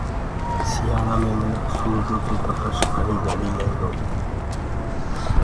سيآݪآ مي منک سورجو ڪي تپش گھڙي گھڙي ليندوئي۔